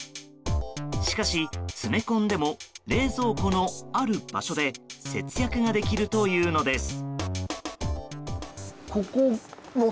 しかし、詰め込んでも冷蔵庫のある場所で節約ができるというのです。